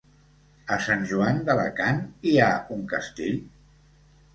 A Sant Joan d'Alacant hi ha un castell?